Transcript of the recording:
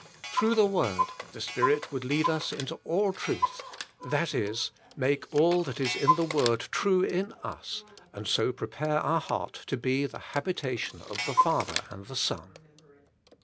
Through the word the Spirit would lead us into all truth, that is, make all that is in the word true in us, and so prepare our heart to be the habitation of the Father and the Son.